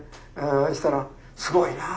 したら「すごいなあ」